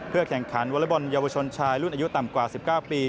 แข่งขันวอเล็กบอลเยาวชนชายรุ่นอายุต่ำกว่า๑๙ปี